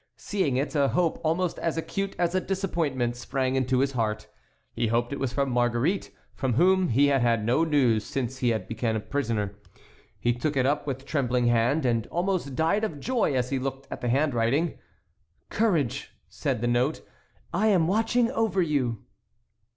Seeing it, a hope almost as acute as a disappointment sprang into his heart; he hoped it was from Marguerite, from whom he had had no news since he had been a prisoner. He took it up with trembling hand, and almost died of joy as he looked at the handwriting. "Courage!" said the note. "I am watching over you."